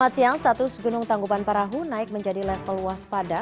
pada siang status gunung tanggupan parahu naik menjadi level luas pada